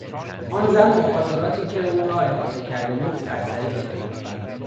آن زن مخاطراتی که او را احاطه کرده بود سرسری گرفت.